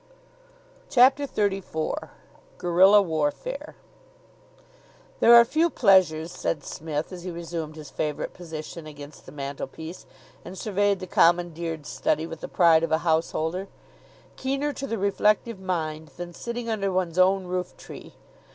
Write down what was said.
CHAPTER XXXIV GUERRILLA WARFARE "There are few pleasures," said Psmith, as he resumed his favourite position against the mantelpiece and surveyed the commandeered study with the pride of a householder, "keener to the reflective mind than sitting under one's own roof tree.